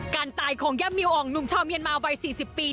การตายของย่ามิวอ่องหนุ่มชาวเมียนมาวัย๔๐ปี